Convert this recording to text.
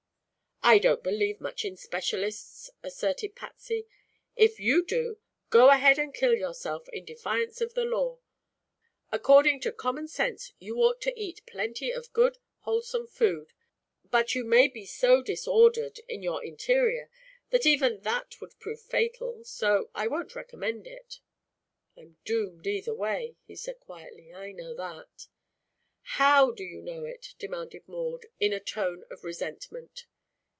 "I don't believe much in specialists," asserted Patsy. "If you do, go ahead and kill yourself, in defiance of the law. According to common sense you ought to eat plenty of good, wholesome food, but you may be so disordered in your interior that even that would prove fatal. So I won't recommend it." "I'm doomed, either way," he said quietly. "I know that." "How do you know it?" demanded Maud in a tone of resentment.